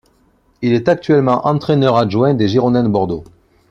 Il est actuellement entraîneur adjoint des Girondins de Bordeaux.